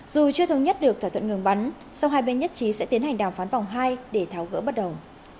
dù chưa thống nhất được thỏa thuận ngừng bắn sau hai bên nhất trí sẽ tiến hành đàm phán vòng hai để tháo gỡ bắt đầu